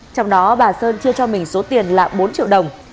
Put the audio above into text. trong đó bà sơn chia cho mình số tiền là bốn triệu đồng